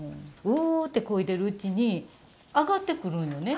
うってこいでるうちに上がってくるんよね。